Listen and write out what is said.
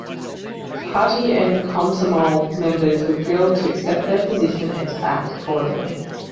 Party and Komsomol members were drilled to accept that position, and to act accordingly.